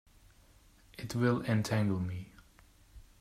It will entangle me.